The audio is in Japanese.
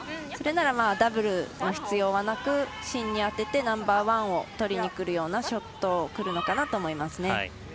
それならダブルの必要はなく芯に当てて、ナンバーワンを取りにくるようなショットがくるのかなと思います。